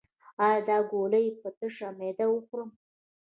ایا دا ګولۍ په تشه معده وخورم؟